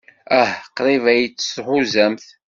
Ah, qrib ay tt-tḥuzamt.